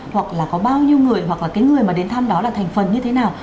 hoặc là có bao nhiêu người hoặc là cái người mà đến thăm đó là thành phần như thế nào